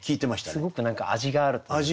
すごく何か味があるというか。